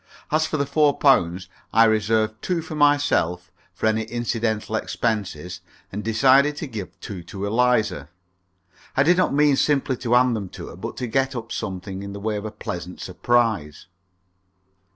As for the four pounds, I reserved two for myself, for any incidental expenses, and decided to give two to Eliza. I did not mean simply to hand them to her, but to get up something in the way of a pleasant surprise.